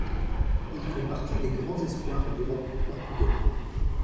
Ils font partie des grands espoirs du rock portugais.